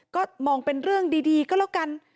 ก็มองเป็นเรื่องดีก็แล้วกัน